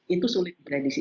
itu sulit diberanisi